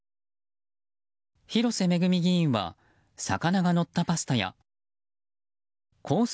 広瀬めぐみ議員は魚がのったパスタやコース